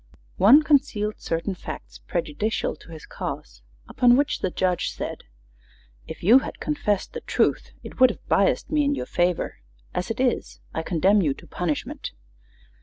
One concealed certain Facts prejudicial to his Cause; upon which the Judge said: "If you had Confessed the Truth it would have Biased me in your Favor; as it is, I Condemn you to Punishment."